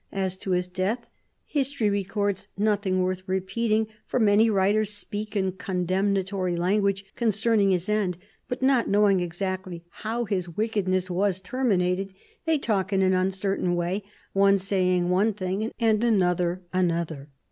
As to his death historj' records nothing worth repeating, for many writers speak in con demnatory language concerning his end, but not knowing exactly how his wickedness was terminated, they talk in an uncertain way, one saying one thing and another another."